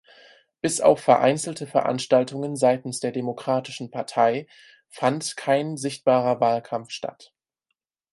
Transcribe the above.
Bis auf vereinzelte Veranstaltungen seitens der Demokratischen Partei fand kein sichtbarer Wahlkampf statt.